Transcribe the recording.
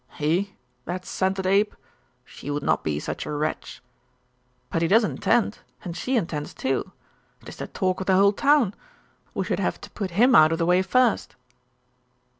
'He? That scented ape? She would not be such a wretch.' 'But he does intend; and she intends too. It is the talk of the whole town. We should have to put him out of the way first.